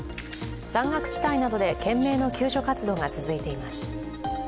山岳地帯などで懸命の救助活動が続いています。